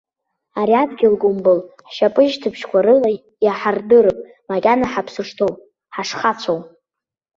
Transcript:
Ари адгьыл гәымбыл ҳшьапышьҭыбжьқәа рыла иаҳардырып макьана ҳаԥсы шҭоу, ҳашхацәоу!